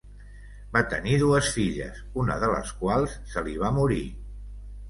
Va tenir dues filles, una de les quals se li va morir.